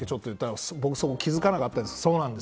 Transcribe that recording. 僕、そこ気付かなかったです。